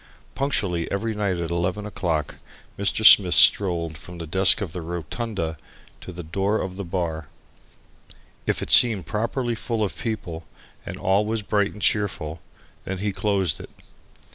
Punctually every night at 11 o'clock Mr. Smith strolled from the desk of the "rotunda" to the door of the bar. If it seemed properly full of people and all was bright and cheerful, then he closed it.